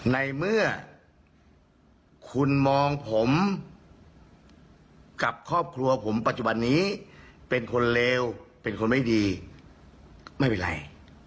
ในเมื่อคุณมองผมกับครอบครัวผมปัจจุบันนี้เป็นคนเลวเป็นคนไม่ดีไม่เป็นไร